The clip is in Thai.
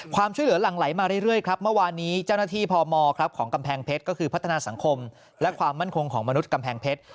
ความช่วยเหลือหลั่งไหลมาเรื่อยครับเมื่อวานนี้เจ้าหน้าที่พมของกำแพงเพชรก็คือพัฒนาสังคมและความมั่นคงของมนุษย์กำแพงเพชร